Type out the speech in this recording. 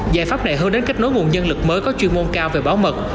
giải pháp này hơn đến kết nối nguồn nhân lực mới có chuyên môn cao về bảo mật